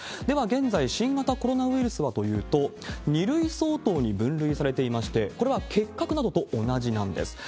では、現在、新型コロナウイルスというと、２類相当に分類されていまして、これは結核などと同じなんです。